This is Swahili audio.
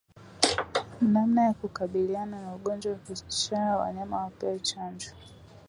Namna yakukabiliana na ugonjwa wa kichaa wanyama wapewe chanjo